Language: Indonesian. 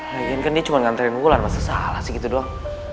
lagian kan dia cuma nganterin gue lah masa salah sih gitu doang